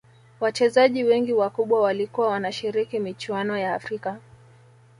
Wachezaji wengi wakubwa walikuwa wanashiriki michuano ya afrika